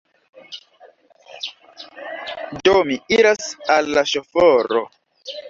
Do, mi iras al la ŝoforo.